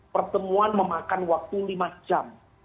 pertemuan memakan waktu lima jam